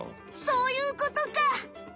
そういうことか！